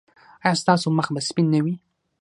ایا ستاسو مخ به سپین نه وي؟